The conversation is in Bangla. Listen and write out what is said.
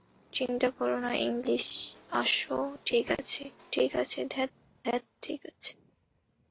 চিন্তা করোনা ইংলিশ আসো ঠিক আছে ঠিক আছে ধ্যাত, ধ্যাত ঠিক আছে।